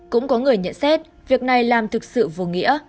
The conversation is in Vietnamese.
cũng có người nhận xét việc này làm thực sự vô nghĩa